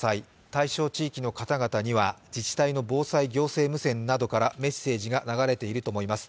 対象地域の方々には、自治体の防災無線などからメッセージが流れていると思います。